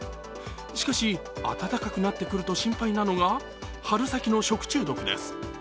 しかし、暖かくなってくると心配なのが春先の食中毒です。